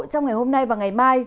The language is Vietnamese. trong ngày hôm nay và ngày mai